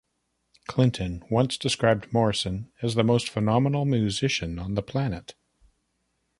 Clinton once described Morrison as the most phenomenal musician on the planet.